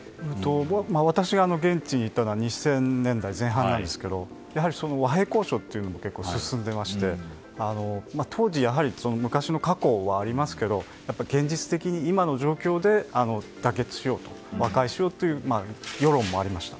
私が現地に行ったのは２０００年代前半なんですけどやはり和平交渉が結構、進んでいまして当時、昔の過去はありますけど現実的に今の状況で妥結しようと和解しようという世論もありました。